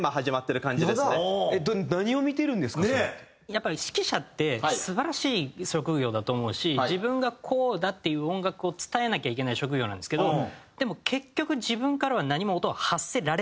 やっぱり指揮者って素晴らしい職業だと思うし自分がこうだっていう音楽を伝えなきゃいけない職業なんですけどでも結局自分からは何も音を発せられないじゃないですか